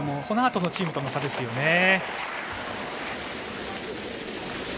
このあとのチームとの差ですよね。